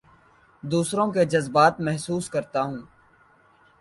دوسروں کے جذبات محسوس کرتا ہوں